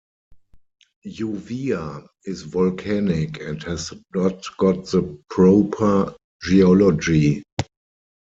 Uvea is volcanic and has not got the proper geology.